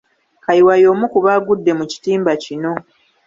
Kayiwa y’omu ku baagudde mu kitimba kino.